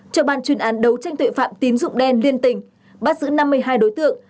cho ban chuyên án đấu tranh tội phạm tín dụng đen liên tỉnh bắt giữ năm mươi hai đối tượng